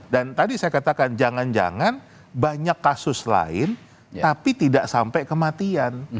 dan tadi saya katakan jangan jangan banyak kasus lain tapi tidak sampai kematian